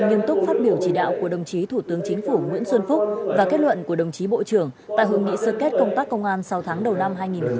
nghiêm túc phát biểu chỉ đạo của đồng chí thủ tướng chính phủ nguyễn xuân phúc và kết luận của đồng chí bộ trưởng tại hội nghị sơ kết công tác công an sáu tháng đầu năm hai nghìn hai mươi ba